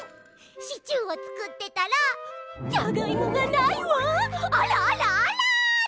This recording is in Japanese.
シチューをつくってたら「じゃがいもがないわあらあらあら」ってなってるところ！